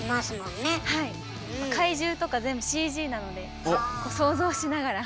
怪獣とか全部ＣＧなので想像しながら。